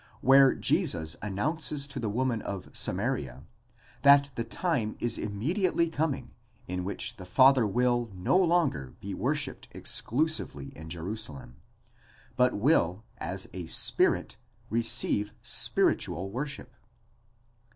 where Jesus announces to the woman of Samaria, that the time is immediately coming, in which the Father will no longer be wor shipped exclusively in Jerusalem (ἐν Ἱεροσολύμοις), but will, as a Spirit, receive spiritual worship.